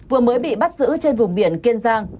vừa mới bị bắt giữ trên vùng biển kiên giang